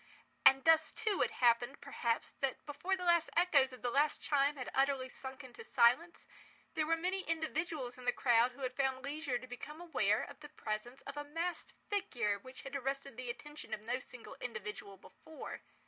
And thus too, it happened, perhaps, that before the last echoes of the last chime had utterly sunk into silence, there were many individuals in the crowd who had found leisure to become aware of the presence of a masked figure which had arrested the attention of no single individual before.